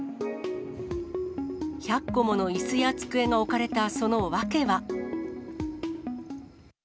１００個ものいすや机が置かれたその訳は。